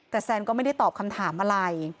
แต่แซนก็ไม่ได้ตอบคำถามอะไร